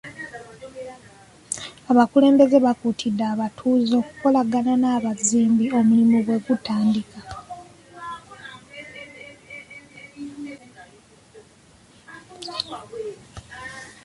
Abakulembeze baakuutidde abatuuze okukolagana n'abazimbi omulimu bwe gutandika.